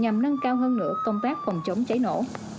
nhằm nâng cao hơn nữa công tác phòng chống cháy nổ